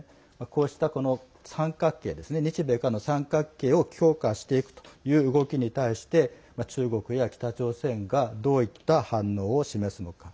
こうした三角形日米韓の三角形を強化していくという動きに対して中国や北朝鮮がどういった反応を示すのか。